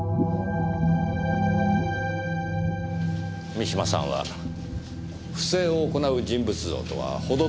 三島さんは不正を行う人物像とはほど遠いようですねぇ。